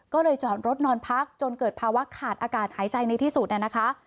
ก็เลยจอดรถนอนพักจนเกิดภาวะขาดอากาศหายใจในที่สุดนะคะ